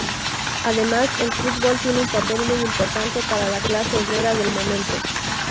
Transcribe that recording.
Además, el fútbol tiene un papel muy importante para la clase obrera del momento.